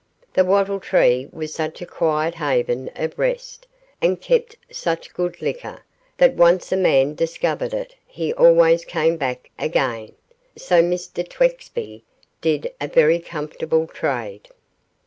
The Wattle Tree was such a quiet haven of rest, and kept such good liquor, that once a man discovered it he always came back again; so Mr Twexby did a very comfortable trade.